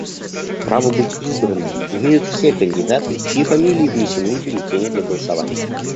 Право быть избранными имеют все кандидаты, чьи фамилии внесены в бюллетени для голосования.